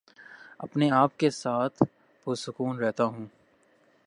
اپنے آپ کے ساتھ پرسکون رہتا ہوں